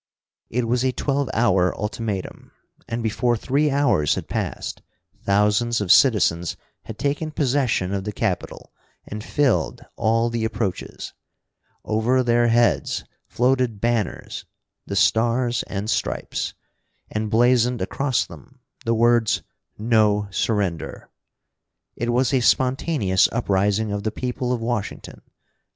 It was a twelve hour ultimatum, and before three hours had passed thousands of citizens had taken possession of the Capitol and filled all the approaches. Over their heads floated banners the Stars and Stripes, and, blazoned across them the words, "No Surrender." It was a spontaneous uprising of the people of Washington.